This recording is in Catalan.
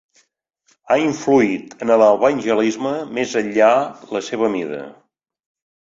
Ha influït en l'evangelisme més enllà la seva mida.